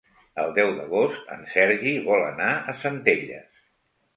El deu d'agost en Sergi vol anar a Centelles.